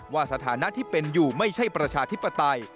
สถานะที่เป็นอยู่ไม่ใช่ประชาธิปไตย